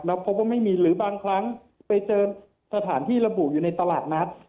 แล้วพบว่าไม่มีหรือบางครั้งไปเจอสถานที่ระบุอยู่ในตลาดนัด